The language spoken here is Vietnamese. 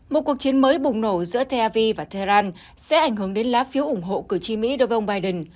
một cuộc chiến mới bùng nổ giữa tav và tehran sẽ ảnh hưởng đến lá phiếu ủng hộ cử tri mỹ đối với ông biden